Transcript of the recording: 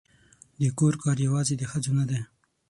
د کور کار یوازې د ښځو نه دی